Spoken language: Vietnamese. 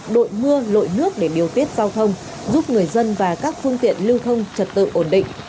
đội mưa lội nước để điều tiết giao thông giúp người dân và các phương tiện lưu thông trật tự ổn định